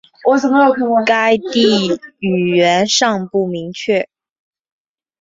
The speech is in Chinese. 该地语源尚不明确。